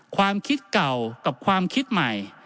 ความคิดเก่ากับความคิดใหม่